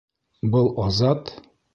Был Азат?